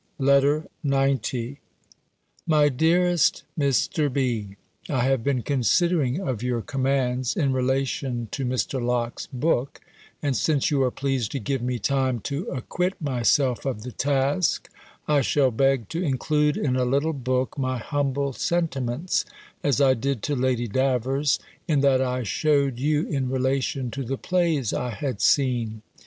B. LETTER XC My dearest Mr. B., I have been considering of your commands, in relation to Mr. Locke's book, and since you are pleased to give me time to acquit myself of the task, I shall beg to include in a little book my humble sentiments, as I did to Lady Davers, in that I shewed you in relation to the plays I had seen.